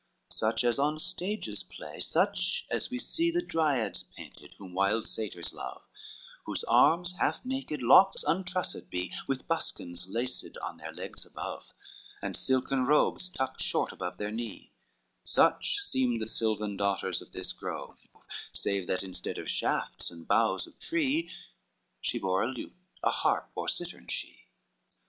XXVII Such as on stages play, such as we see The Dryads painted whom wild Satyrs love, Whose arms half naked, locks untrussed be, With buskins laced on their legs above, And silken robes tucked short above their knee; Such seemed the sylvan daughters of this grove, Save that instead of shafts and boughs of tree, She bore a lute, a harp, or cittern she.